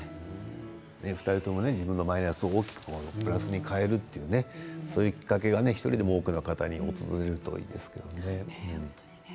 お二人とも自分のマイナスを大きくプラスに変えるそれが１人でも多くの方に訪れるといいですよね。